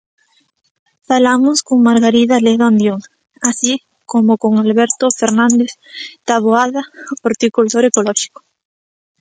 Falamos con Margarida Ledo Andión, así como con Alberto Fernández Taboada, horticultor ecolóxico.